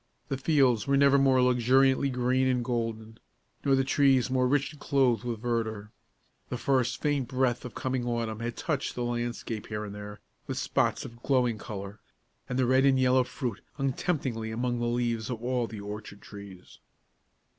The fields were never more luxuriantly green and golden, nor the trees more richly clothed with verdure. The first faint breath of coming autumn had touched the landscape here and there with spots of glowing color, and the red and yellow fruit hung temptingly among the leaves of all the orchard trees.